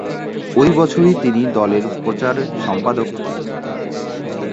ওই বছরই তিনি দলের প্রচার সম্পাদকের দায়িত্ব পান।